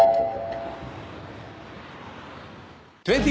２０